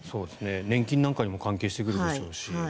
年金なんかにも関係してくるでしょうし。